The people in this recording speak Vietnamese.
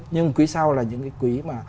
nhưng quý sau là những cái quý